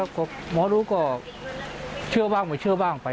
ป้าก็บอกว่าอย่างไงบ้างครับ